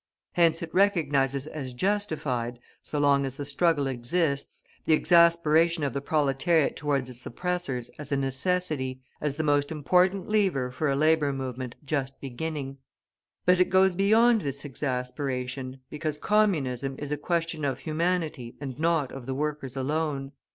Hence it recognises as justified, so long as the struggle exists, the exasperation of the proletariat towards its oppressors as a necessity, as the most important lever for a labour movement just beginning; but it goes beyond this exasperation, because Communism is a question of humanity and not of the workers alone.